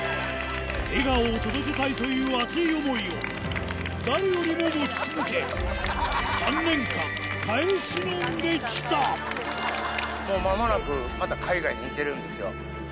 笑顔を届けたいという熱い思いを、誰よりも持ち続け、３年間、もう間もなく、また海外に行けるんですよ。